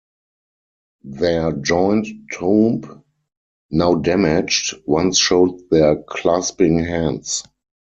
Their joint tomb, now damaged, once showed their clasping hands.